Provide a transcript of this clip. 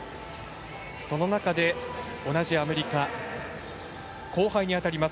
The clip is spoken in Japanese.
その中で同じアメリカ後輩にあたります